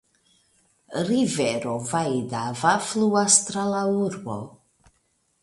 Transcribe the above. Rivero Vaidava fluas tra la urbo.